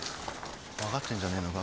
分かってんじゃねえのか？